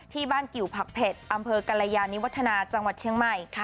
ที่บ้านกิวผักเผ็ดอำเภอกรยานิวัฒนาจังหวัดเชียงใหม่